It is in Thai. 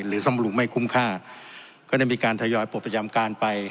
ซ่อมรุงไม่คุ้มค่าก็ได้มีการทยอยปลดประจำการไป